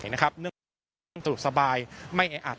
เพราะที่นั่นจะสบายไม่แอด